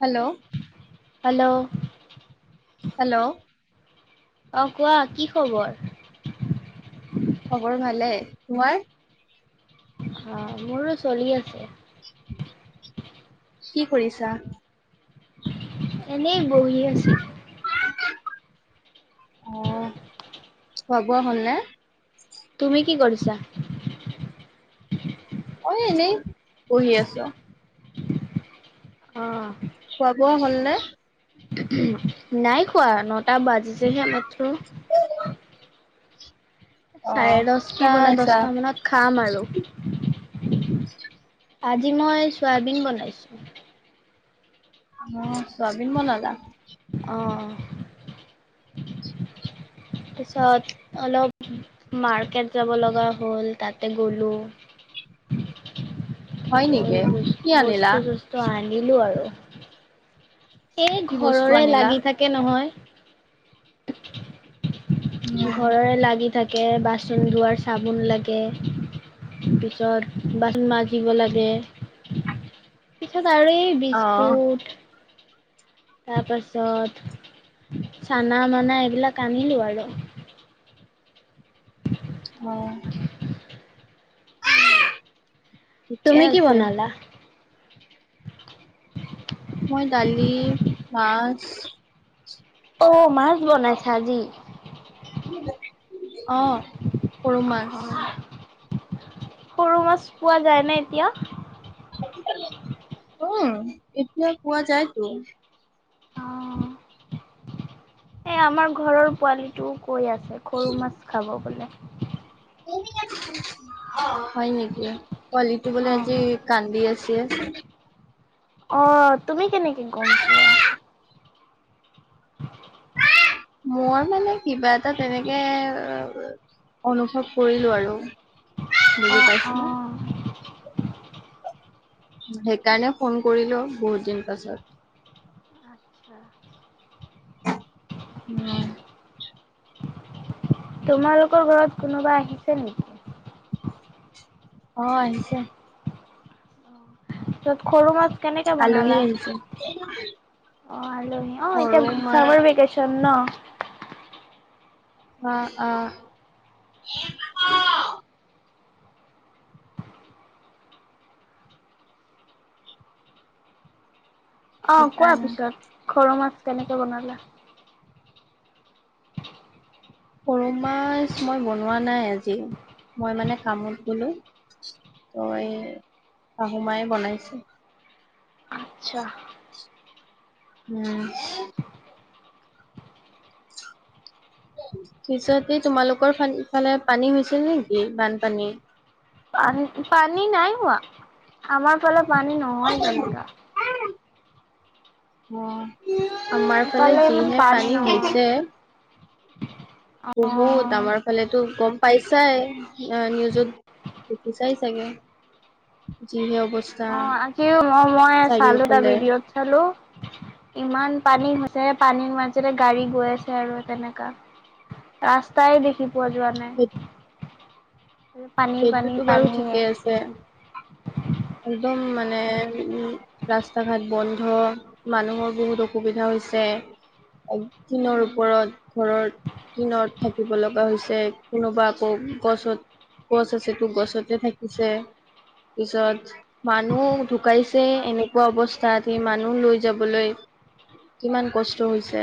Hello. Hello. Hello. অ' কোৱা কি খবৰ? খবৰ ভালেই। তোমাৰ? অ' মোৰো চলি আছে। কি কৰিছা? এনেই বহি আছোঁ। অ', খোৱা বোৱা হ'লনে? তুমি কি কৰিছা? মই এনেই, বহি আছো। অ'। খোৱা বোৱা হ'ল নে? নাই খোৱা নটা বাজিছে হে মাত্ৰ। অ চাৰে কি দস্তা, বনাইছা দস্তা মানত। খাম আৰু, আজি মই চয়াবিন বনাইছোঁ। অ', চোয়াবিন বনালা? অ'। পিছত অলপ মাৰ্কেট যাব লগা হ'ল, তাতে গ'লো। হয় নেকি কি আনিলা? তো আনিলোঁ আৰু। সেই কি বস্তু ঘৰৰে আনিলা লাগি থাকে কে নহয়, উম ঘৰৰে লাগি থাকে, বাচন ধোৱাৰ চাবোন লাগে। পিছত বাচন মাজিব লাগে, পিছত আৰু এই অ বিস্কুট। তাৰপাছত চানা মানা এইবিলাক আনিলোঁ আৰু। [inaudible] অ'। ঠিকে তুমি কি আছে বনালা? মই দালি, মাছ অ', মাছ বনাইছা আজি। অ'। সৰু মাছ পোৱা যায় নে এতিয়া? উম, এতিয়া পোৱা যাইটো। অ'। এ আমাৰ ঘৰৰ পোৱালিটোও কৈ আছে সৰু মাছ খাব বোলে। হয় নেকি? পোৱালিটো অ বোলে আজি কান্দি আছে? অ', তুমি কেনেকে গম পোৱা? মই মানে কিবা এটা তেনেকে অনুভৱ কৰিলোঁ আৰু। বুজি অ', পাইছে নে অ'। সেইকাৰণে ফোন কৰিলো বহুত দিন পাছত। [inaudible] উম। তোমালোকৰ ঘৰত কোনোবা আহিছে নেকি? অ', আহিছে। [unintelligible] সৰু মাছ কেনেকে আলহী বনালা? আহিছে। অ', আলহী অ', এতিয়া সৰু মাৰ চামাৰ ভেকেচন ন'। অ', অ'। অ', কোৱা সেইকাৰণে পিছত সৰু মাছ কেনেকে বনালা? সৰু মাছ মই বনোৱা নাই আজি মই মানে কামত গলোঁ। ত এই শাহুমাই বনাইছে আচ্ছা উম পিছতে তোমালোকৰ ফ ইফালে পানী হৈছিল নেকি বানপানী? পানী- পানী নাই হোৱা, আমাৰ ফালে পানী নহয় তেনেকা অ'-আমাৰ ফালে ইফালে ইমান যিহে পানী নহয় হৈছে। অ বহুত আমাৰ ফালেতো গ'ম পাইছাই নিউজত দেখিছাই চাগে? যি হে অৱ অ', -আজিও ম-মই চালো এটা ভডিঅ'ত চালো। ইমান পানী হৈছে, পানীৰ মাজতে গাড়ী গৈ আছে আৰু তেনেকা ৰাস্তাই দেখি পোৱা যোৱা নাই সেই উম-। সেইটোতো বাৰু ঠিকেই আছে, একদম মানে উ ৰাস্তা ঘাট বন্ধ, মানুহৰ বহুত অসুবিধা হৈছে। তিনৰ ওপৰত ঘৰৰ তিনত থাকিব লগা হৈছে কোনোবা আকৌ গছত গছ আছে তো গছতে থাকিছে পিছত মানুহ ঢুকাইছে এনেকুৱা অৱস্থাত সি মানুহ লৈ যাবলৈ কিমান কষ্ট হৈছে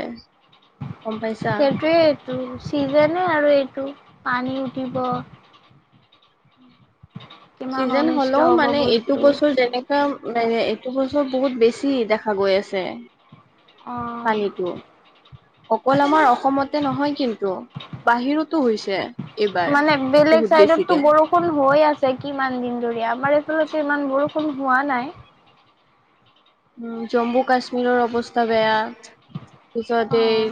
গম পাইছা? সেইটোৱে এইটো চিজনে আৰু এইটো পানী উঠিব কিমান চিজন অনিষ্ট হ'লেও হ'ব মানে এইটো বস্তু বছৰ যেনে কা মানে এইটো বছৰ বহুত বেছি দেখা গৈ আছে অ পানীটো অকল আমাৰ অসমতে ন'হয় কিন্তু বাহিৰতো হৈছে এইবাৰ। মান বেলেগ বহুত চাইডতটো বেছিকে। বৰ বয়ষুণ হৈ আছে কিমান দিন ধৰি আমাৰ আচলতে ইমান বৰষুণ হোৱা নাই। উম- জম্মু কাশ্মীৰৰ অৱস্থা বেয়া! অ পিছতে এই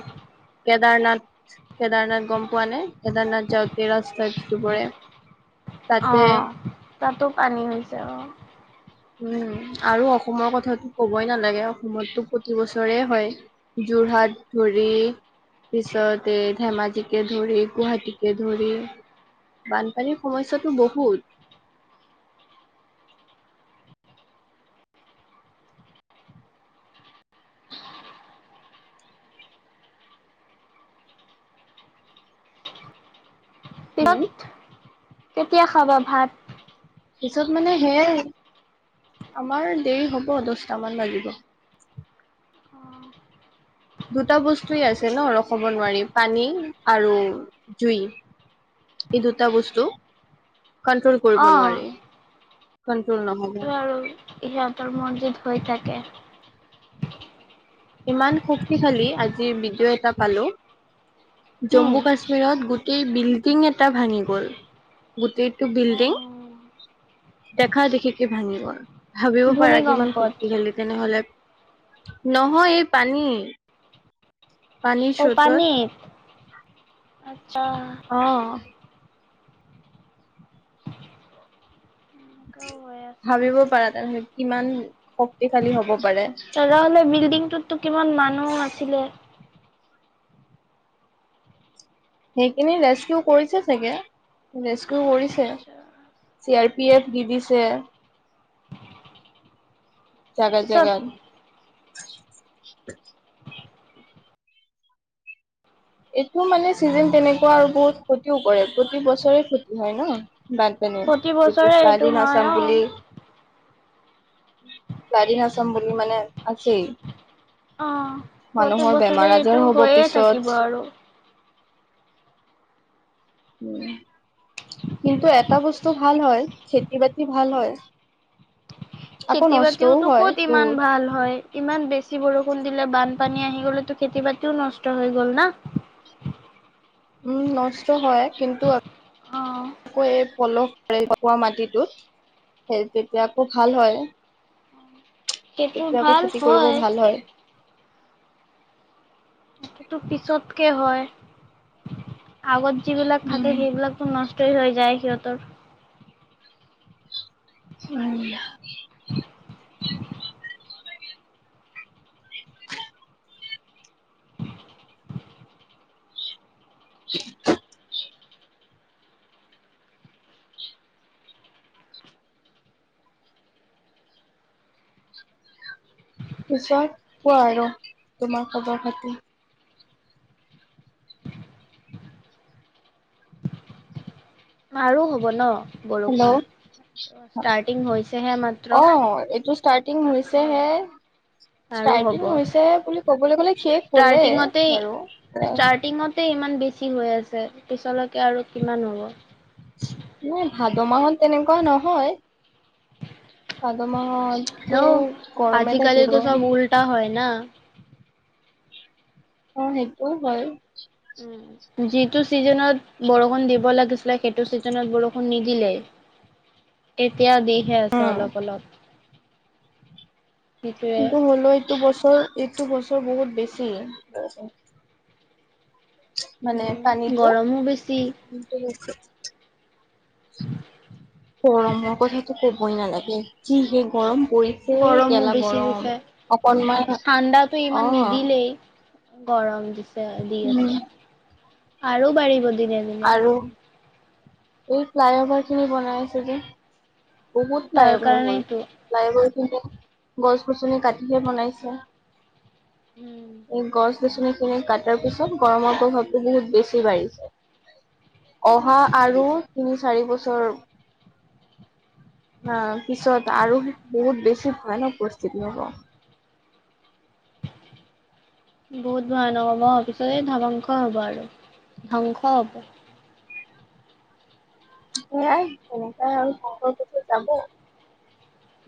কেদাৰনাথ-, কেদাৰনাথ গম পোৱা নে? কেদাৰনাথ যাওঁতে ৰাস্তাত [inaudible] অঁ, তাতে -তাতো পানী হৈছে অঁ উম, আৰু অসমৰ কথাটো ক'বই নালাগে অসমতটো প্ৰতি বছৰে হয়! যোৰহাট ধৰি পিছত এ ধেমাজিকে ধৰি গুৱাহাটীকে ধৰি বানপানী সমস্যাটো বহুত হুম। [unintelligible] কেতিয়া খাবা ভাত? পিছত মানে সেয়াই, আমাৰ দেৰি হ'ব দহটা মান বাজিব অঁ- দুটা বস্তুৱে আছে ন, ৰখব নোৱাৰি পানী আৰু জুই এই দুটা বস্তু কণ্ট্ৰল কৰিব অ নোৱাৰি! কন্ট্ৰল নহ'ব সিহঁতৰ মছজিদ হৈ থাকে ইমান শক্তিশালী আজিৰ বিডিঅ' এটা পালোঁ, হম জম্মু কাশ্মীৰ ৰত, গোটেই বিল্ডিং এটা ভাঙি গ'ল! গোটেইটো অ বিল্ডিং দেখা দেখিকে ভাঙি গ'ল ভাবিব পাৰা কিমান ভূমিকম্পত শক্তিশালী তেনেহ'লে, নহয় এই পানী পানীৰ অঁ' স্ৰোতত পানীত, আচ্ছা'। অঁ। এনেকুৱাও হৈ আছে ভাবিব পাৰা তেনে হ'লে কিমান শক্তিশালী হ'ব পাৰে। তেনেহ'লে বিল্ডিংটোতটো কিমান মানুহ আছিলে। সেইখিনি ৰেস্কিউ কৰিছে চাগে, ৰেস্কিউ কৰিছে। চি আৰ পি এফ দি দিছে। জাগাত পিছত জাগাত। এইটো মানে চিজন তেনেকুৱা আৰু বহুত ক্ষতিও কৰে, প্ৰতি বছৰে ক্ষতি হয় ন' বাট তেনে, প্ৰতি [unintelligible] বছৰে এইটো ফ্লাড ইন হয় আসাম অ', বুলি ফ্লাড ইন আসাম বুলি মানে আছেই! অ', প্ৰতি মানুহৰ বছৰে বেমাৰ এইটো আজাৰো হ'ব হৈয়ে থাকিব পিছত। আৰু। উমঁ। কিন্তু এটা বস্তু ভাল হয়, খেতি বাতি ভাল হয়। আকৌ খেতি নষ্টও বাতিওটো হয় ক'ত ইমান বহুত ভাল হয়। ইমান বেছি বৰষুণ দিলে, বানপানী আহি গ'লেতো খেতি বাতিও নষ্ট হৈ গ'ল না। উমঁ' নষ্ট হয় কিন্তু অ', আকৌ এই পলস [unintelligible] মাটিটো সেই তেতিয়া আকৌ ভাল হয়। সেইটো তেতিয়া আকৌ ভাল খেতি কৰিবও হয়। ভাল হয়। সেইটো পিছতকে হয়, আগত যিবিলাক থাকে উম সেইবিলাক টো নষ্টই হৈ যায় সিহঁতৰ। উমঁ। [unintelligible] [unintelligible] পিছত কোৱা আৰু তোমাৰ খবৰ খাতি? আৰু হ'ব ন বৰষুণ। হেল্ল' ষ্টাৰ্টিং হৈছেহে অ মাত্ৰ, এইটো ষ্টাৰ্টিং ন'। হৈছেহে আৰু ষ্টাৰ্টিং হ'ব, হৈছে বুলি ক'বলৈ গ'লে শেষ হ'লে বাৰু ষ্টাৰ্টিঙতেই ষ্টাৰ্টিঙত তেই ইমান বেছি হৈ আছে পিছলৈকে আৰু কিমান হ'ব। নাই, ভাদ মাহত তেনেকুৱা নহয়। ভাদ মাহত তো গৰমে থাকিব। তা হয় না। অঁ' সেইটোও হয়। উম যিটো ছিজনত বৰষুণ দিব লাগিছিলে সেইটো ছিজনত বৰষুণ নিদিলেই। এতিয়া দিহে আছে অলপ অলপ। সেইটোৱে কিন্তু হ'লেও এইটো বছৰ এইটো বছৰ বহুত বেছি বৰষুণ। মানে উম পানীতো। গৰমো বেছি গৰমৰ কথাটো ক'বই নালাগে যিহে গৰম পৰি গৰমো বেছি দিছে, অকনমান ঠাণ্ডাটো অ ইমান নিদিলেই। গৰম দিছে দি উম আছে আৰু বাঢ়িব দিনে- দিনে আৰু। এই ফ্লাইঅভাৰ খিনি বনাই আছো যে বহুত তাৰ ফ্লাইঅভাৰ কাৰণেইতো হ'ল। [unintelligible] গছ-গছনি কাটিহে বনাইছে। উমঁ। এই গছ-গছনি খিনি কাটাৰ পিছত গৰমৰ প্ৰভাৱটো বহুত বেছি বাঢ়িছে। অহা আৰু তিনি চাৰি বছৰ- আ পিছত আৰু বহুত বেছি ভয়ানক পৰিস্থিতি হ'ব। বহুত ভয় নহ'ব পিছত এ ধ্বংস হ'ব আৰু ধংস হ'ব। সয়াই তেনেকাই আৰু ধংস [inaudible] যাব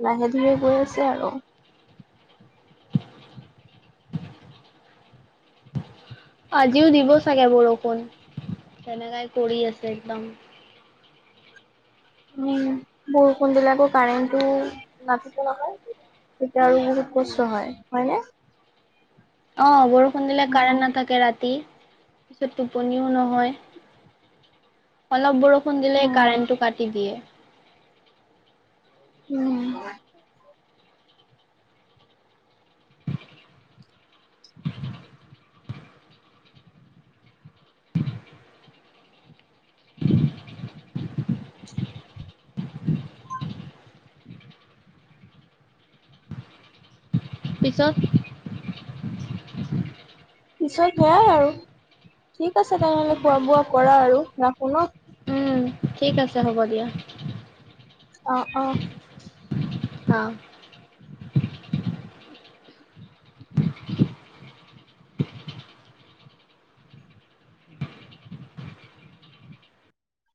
লাহে ধিৰে গৈ আছে আৰু। আজিও দিব চাগে বৰষুণ তেনেকাই কৰি আছে একদম। উম বৰষুণদিলেতো কাৰেন্টো নাথাকে নহয় তেতিয়া আৰু বহুত কষ্ট হয়, হয়নে? অ বৰষুণ দিলে উম, কাৰেণ্ট নাথাকে ৰাতি পিছত টোপনিও নহয়। অলপ বৰষুণ দিলে উম, কাৰেণ্টটো কাটি দিয়ে। উম। পিছ পিছত সেয়াই আৰু, ঠিক আছে তেনেহলে খোৱা বোৱা কৰা আৰু ৰাখো ন। উম ঠিক আছে হ'ব দিয়া। অ অ। আ।